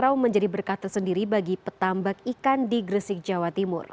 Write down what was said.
kerau menjadi berkat tersendiri bagi petambak ikan di gresik jawa timur